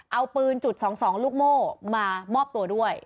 เอาปืนจุด๒๒ลูกโม่มามอบตัวด้วย